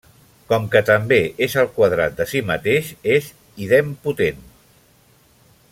Com que també és el quadrat de si mateix, és idempotent.